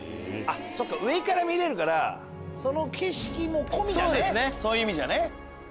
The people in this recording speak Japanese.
そっか上から見れるからその景色も込みだねそういう意味じゃね。